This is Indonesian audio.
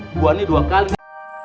gua nih dua kali